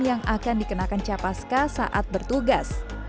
yang akan dikenakan capaska saat bertugas